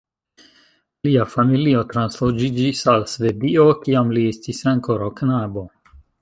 Lia familio transloĝiĝis al Svedio, kiam li estis ankoraŭ knabo.